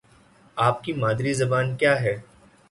آپ کی مادری زبان کیا ہے؟